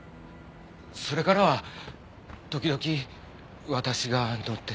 それからは時々私が乗ってて。